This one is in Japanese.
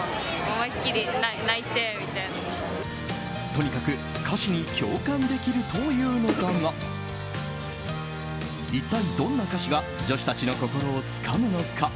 とにかく歌詞に共感できるというのだが一体どんな歌詞が女子たちの心をつかむのか？